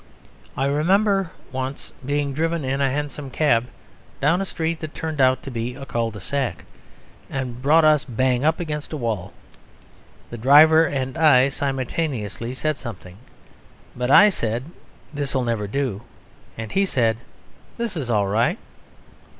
I remember once being driven in a hansom cab down a street that turned out to be a cul de sac, and brought us bang up against a wall. The driver and I simultaneously said something. But I said: "This'll never do!" and he said: "This is all right!"